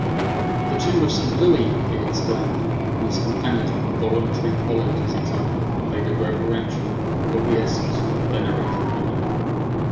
"The tomb of St. Louis!" he exclaimed, and his companions involuntarily followed his example, and made a reverential obeisance to the venerated monument.